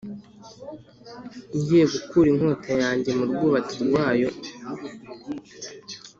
ngiye gukura inkota yanjye mu rwubati rwayo